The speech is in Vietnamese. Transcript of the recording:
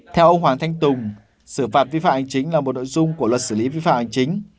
theo ông hoàng thanh tùng sử phạt vi phạm ảnh chính là một nội dung của luật xử lý vi phạm ảnh chính